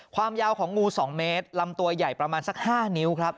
ความยาวของงู๒เมตรลำตัวใหญ่ประมาณสัก๕นิ้วครับ